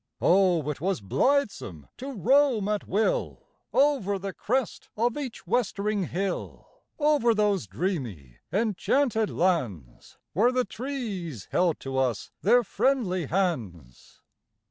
Oh, it was blithesome to roam at will Over the crest of each westering hill, Over those dreamy, enchanted lands Where the trees held to us their friendly hands